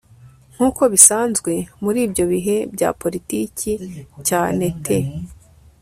nkuko bisanzwe muri ibyo bihe bya politiki cyane the